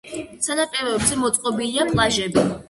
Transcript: სანაპიროებზე მოწყობილია პლაჟები.